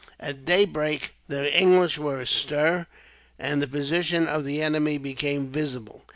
At daybreak the English were astir, and the position of the enemy became visible.